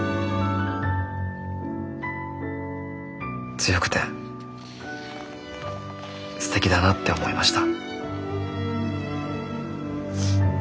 「強くて素敵だなって思いました」。